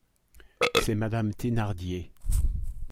C’est madame Thénardier.